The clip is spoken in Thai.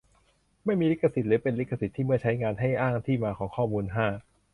ไม่มีลิขสิทธ์ หรือ เป็นลิขสิทธิ์ที่เมื่อใช้งาน ให้อ้างที่มาของข้อมูล ห้า